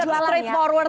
kita langsung jualan ya